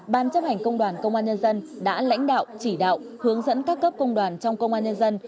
ban chấp hành công đoàn công an nhân dân đã lãnh đạo chỉ đạo hướng dẫn các cấp công đoàn trong công an nhân dân